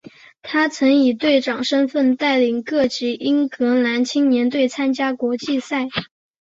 他曾以队长身份带领各级英格兰青年队参加国际赛。